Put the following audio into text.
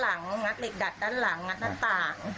อันนั้นได้อะไรบ้าง